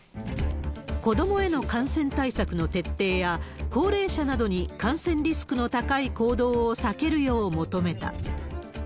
子どもへの感染対策の徹底や、高齢者などに感染リスクの高い行動を避けるよう求めた。